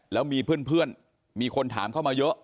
แล้วมีเพื่อนมีคนถามเข้ามาเยอะ